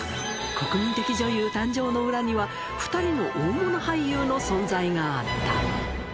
国民的女優誕生の裏には、２人の大物俳優の存在があった。